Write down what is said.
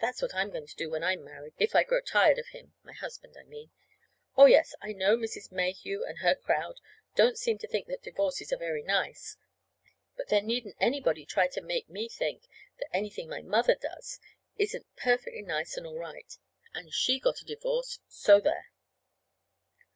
(That's what I'm going to do when I'm married, if I grow tired of him my husband, I mean.) Oh, yes, I know Mrs. Mayhew and her crowd don't seem to think divorces are very nice; but there needn't anybody try to make me think that anything my mother does isn't perfectly nice and all right. And she got a divorce. So, there!